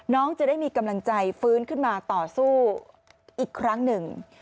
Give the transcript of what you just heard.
จะได้มีกำลังใจฟื้นขึ้นมาต่อสู้อีกครั้งหนึ่ง